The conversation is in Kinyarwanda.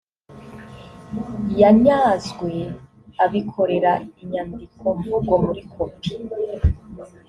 yanyazwe abikorera inyandikomvugo muri kopi